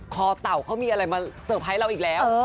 เต่าเขามีอะไรมาเซอร์ไพรส์เราอีกแล้ว